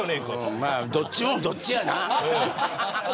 まあ、どっちもどっちやな。